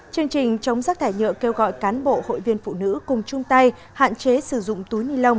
chương trình chống rác thải nhựa kêu gọi cán bộ hội viên phụ nữ cùng chung tay hạn chế sử dụng túi ni lông